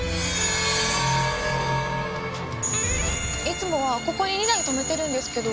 いつもはここに２台止めてるんですけど。